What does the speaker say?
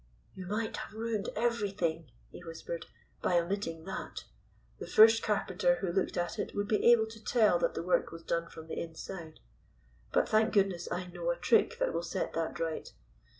"You might have ruined everything," he whispered, "by omitting that. The first carpenter who looked at it would be able to tell that the work was done from the inside. But thank goodness, I know a trick that will set that right.